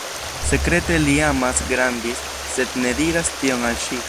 Sekrete li amas Grandis, sed ne diras tion al ŝi.